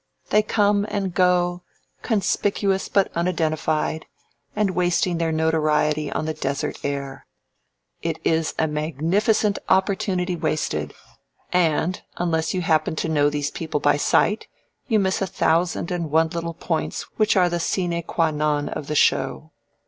They come and go, conspicuous but unidentified, and wasting their notoriety on the desert air. It is a magnificent opportunity wasted, and, unless you happen to know these people by sight, you miss a thousand and one little points which are the sine qua non of the show."